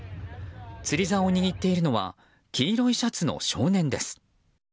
釣りざおを握っているのは黄色いシャツの少年です。